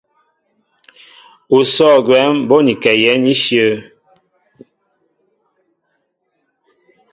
Ú sɔ̂ gwɛm bónikɛ yɛ̌n íshyə̂.